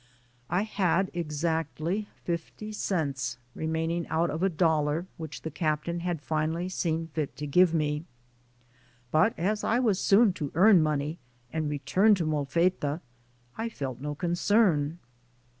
I had exactly fifty cents remaining out of a dollar which the captain had 74 THE SOUL OF AN IMMIGRANT finally seen fit to give me. But as I was soon to earn money and return to Molfetta, I felt no concern.